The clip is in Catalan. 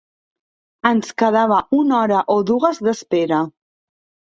Ens quedava una hora o dues d'espera.